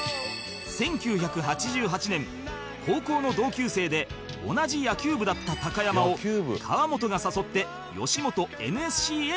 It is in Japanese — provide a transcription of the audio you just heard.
１９８８年高校の同級生で同じ野球部だった高山を河本が誘ってよしもと ＮＳＣ へ入学